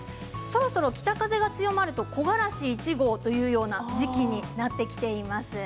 そろそろ北風が強まると木枯らし１号というような時期になってきています。